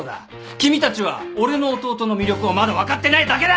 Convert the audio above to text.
君たちは俺の弟の魅力をまだ分かってないだけだ！